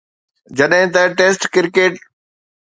جڏهن ته test cricket